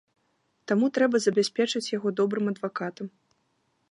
Таму трэба забяспечыць яго добрым адвакатам.